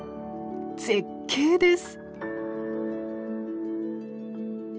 絶景です！